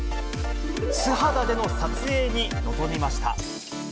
素肌での撮影に臨みました。